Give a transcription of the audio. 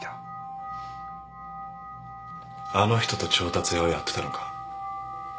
あの人と調達屋をやってたのか？